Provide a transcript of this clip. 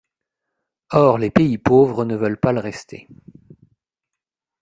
Or, les pays pauvres ne veulent pas le rester.